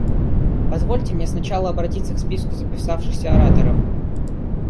Позвольте мне сначала обратиться к списку записавшихся ораторов.